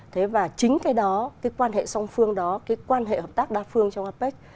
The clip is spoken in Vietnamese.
thế và chính cái đó cái quan hệ song phương đó cái quan hệ hợp tác đa phương trong apec